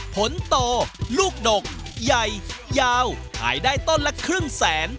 ผลโตลูกดกใหญ่ยาวขายได้ต้นละครึ่งแสน